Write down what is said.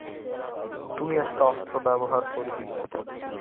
তুই একটা অস্ত্র ব্যবহার করবি।